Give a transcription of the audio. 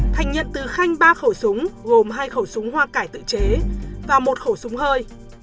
thành nhận từ khanh ba khẩu súng gồm hai khẩu súng hoa cải tự chế và một khẩu súng hơi